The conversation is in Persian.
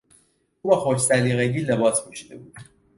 او با خوش سلیقگی لباس پوشیده بود.